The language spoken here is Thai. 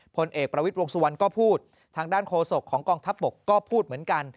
ผลเอกประวิทย์วงสุวรรณก็พูดทางด้านโคศกของกองทัพบกก็พูดเหมือนกัน